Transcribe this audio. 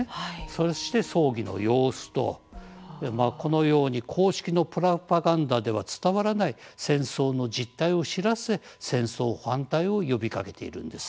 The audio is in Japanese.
そして、葬儀の様子とこのように公式のプロパガンダでは伝わらない戦争の実態を知らせ戦争反対を呼びかけているんです。